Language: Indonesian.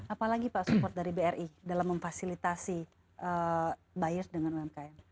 apa lagi pak support dari bri dalam memfasilitasi buyers dengan umkm